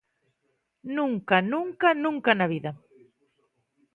Nunca, nunca, nunca na vida.